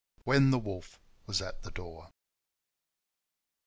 When the Wolf was at the Door.